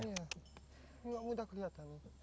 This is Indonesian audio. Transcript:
tidak mudah kelihatan